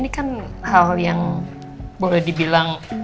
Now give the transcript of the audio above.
ini kan hal yang boleh dibilang